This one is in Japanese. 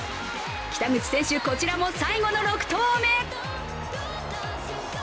北口選手、こちらも最後の６投目。